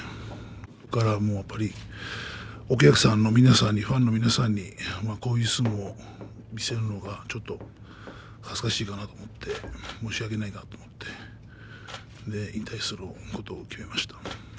だからやっぱりお客さんの皆さんにファンの皆さんにこういう相撲を見せるのが、ちょっと恥ずかしいなと思って申し訳ないなと思って引退することを決めました。